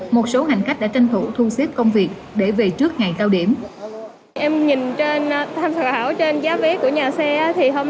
một số hành khách đã tranh thủ thu xếp công việc để về trước ngày cao điểm